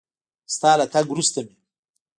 ستا له تګ وروسته مې